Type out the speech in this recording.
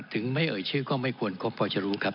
ถึงไม่เอ่ยชื่อก็ไม่ควรครบพอจะรู้ครับ